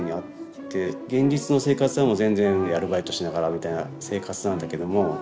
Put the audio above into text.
現実の生活は全然アルバイトしながらみたいな生活なんだけども。